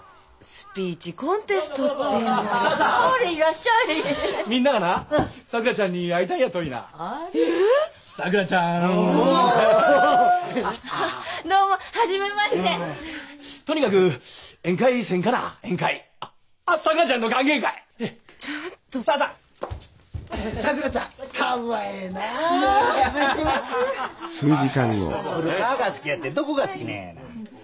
古川が好きやってどこが好きなんやいな？